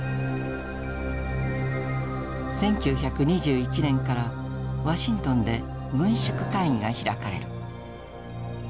１９２１年からワシントンで軍縮会議が開かれる。